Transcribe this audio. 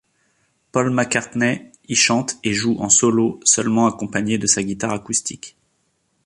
Paul McCartney y chante et joue en solo, seulement accompagné de sa guitare acoustique.